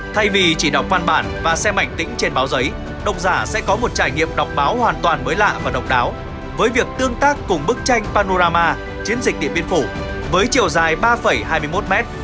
thay vì chỉ đọc văn bản và xem ảnh tĩnh trên báo giấy đồng giả sẽ có một trải nghiệm đọc báo hoàn toàn mới lạ và độc đáo với việc tương tác cùng bức tranh panorama chiến dịch điện biên phủ với chiều dài ba hai mươi một m